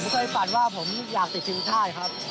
ผมเคยฝันว่าผมอยากติดทิวท่ายครับ